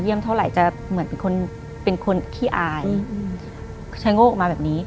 เท่าไหร่จะเหมือนเป็นคนเป็นคนขี้อายชะโงกออกมาแบบนี้